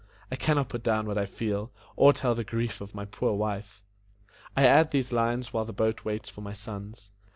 I can not put down what I feel, or tell the grief of my poor wife. I add these lines while the boat waits for my sons.